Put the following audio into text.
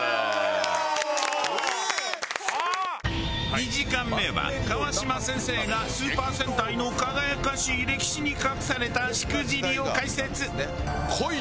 ２時間目は川島先生がスーパー戦隊の輝かしい歴史に隠されたしくじりを解説！